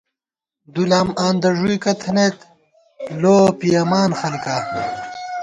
دُولام آندہ ݫُوئیکہ تھنَئیت ، لووَہ پِیَمان خلکا